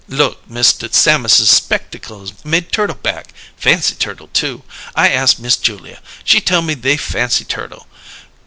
Look Mista Sammerses' spectickles made turtle back; fancy turtle, too. I ast Miss Julia; she tell me they fancy turtle.